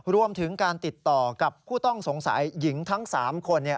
รวมถึงการติดต่อกับผู้ต้องสงสัยหญิงทั้ง๓คน